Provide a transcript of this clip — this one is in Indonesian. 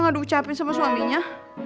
ngeducapin sama suaminya